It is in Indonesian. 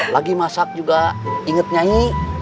lagi masak juga inget nyanyi